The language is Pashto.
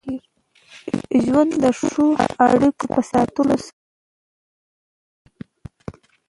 ژوند د ښو اړیکو په ساتلو سره ښکلی او ارام کېږي.